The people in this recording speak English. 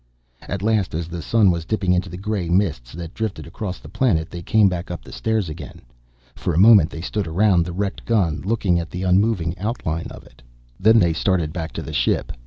At last, as the sun was dipping into the gray mists that drifted across the planet they came back up the stairs again. For a moment they stood around the wrecked gun looking at the unmoving outline of it. Then they started back to the ship.